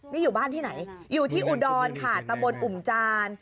นี่อยู่บ้านที่ไหนอยู่ที่อุดรค่ะตะบนอุ่มจาน